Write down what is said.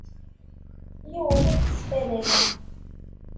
Yiwen ur t-sfadayeɣ.